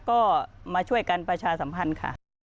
ก็มาช่วยกันประชาสัมพันธ์ค่ะ